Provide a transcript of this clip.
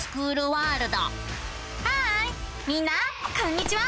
ハーイみんなこんにちは！